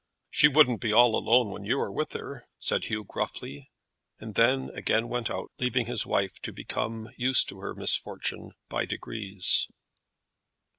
"She wouldn't be all alone when you are with her," said Hugh, gruffly, and then again went out, leaving his wife to become used to her misfortune by degrees.